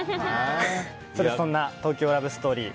そんな「東京ラブストーリー」